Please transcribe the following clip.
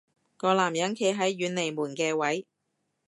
個男人企喺遠離門嘅位